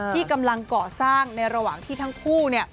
ที่กำลังก่อสร้างในระหว่างที่ทั้งคู่